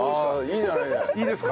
ああいいじゃない。